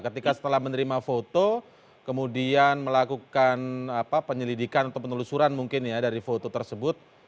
ketika setelah menerima foto kemudian melakukan penyelidikan atau penelusuran mungkin ya dari foto tersebut